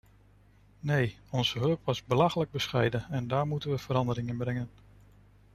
Nee, onze hulp was belachelijk bescheiden, en daar moeten we verandering in brengen.